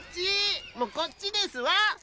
もうこっちですわ！